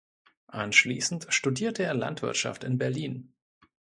Anschließend studierte er Landwirtschaft in Berlin.